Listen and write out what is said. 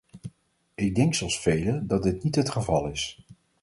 Ik denk zoals velen dat dit niet het geval is.